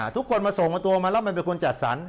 ทุกคนมาส่งมาตัวมาแล้วมันเป็นคนจัดสรร